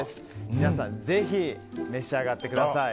皆さんぜひ召し上がってください。